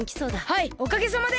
はいおかげさまで。